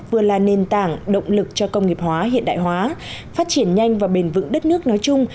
vừa là nền tảng động lực cho công nghiệp hóa hiện đại hóa phát triển nhanh và bền vững đất nước nói chung